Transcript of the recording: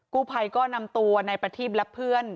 กู้ไพก็นำตัวในประทิบและเพื่อน